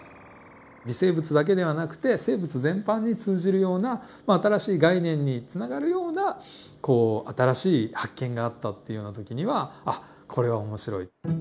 微生物だけではなくて生物全般に通じるようなまあ新しい概念につながるようなこう新しい発見があったっていうような時には「あっ！これは面白い」。